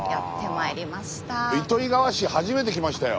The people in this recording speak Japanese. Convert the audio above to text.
糸魚川市初めて来ましたよ。